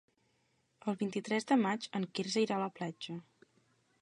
El vint-i-tres de maig en Quirze irà a la platja.